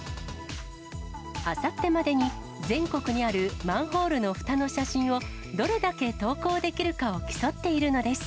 あさってまでに、全国にあるマンホールのふたの写真をどれだけ投稿できるかを競っているのです。